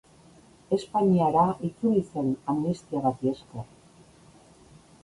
Espainiara itzuli zen amnistia bati esker.